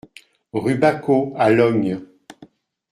Rue Bacot à Lognes